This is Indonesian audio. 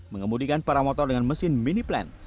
mengemudikan para motor dengan mesin mini plan